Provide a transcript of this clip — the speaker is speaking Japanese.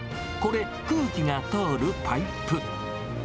これ、空気が通るパイプ。